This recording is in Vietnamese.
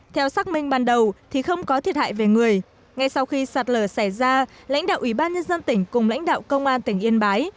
theo xác minh ban đầu thì không có thiệt hại về người ngay sau khi sạt lở xảy ra lãnh đạo ủy ban nhân dân tỉnh cùng lãnh đạo công an tỉnh yên bái